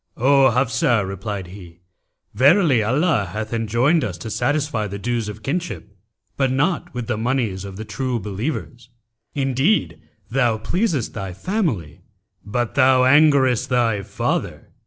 'O Hafsah!' replied he, 'verily Allah hath enjoined us to satisfy the dues of kinship, but not with the monies of the True Believers. Indeed, thou pleasest" thy family, but thou angerest thy father.'